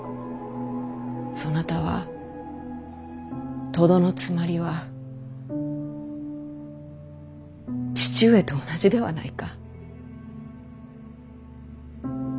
そなたはとどのつまりは父上と同じではないか？